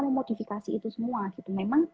memodifikasi itu semua gitu memang